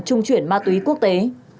trung chuyển ma túy quốc tế